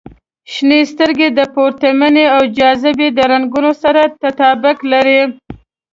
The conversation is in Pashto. • شنې سترګې د پرتمینې او جاذبې د رنګونو سره تطابق لري.